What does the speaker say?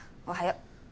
おはよう！